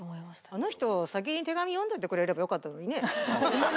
あの人先に手紙読んどいてくれればよかったのにね。